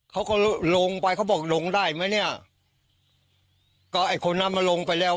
เขาก็ลงไปเขาบอกลงได้ไหมเนี่ยก็ไอ้คนนั้นมันลงไปแล้ว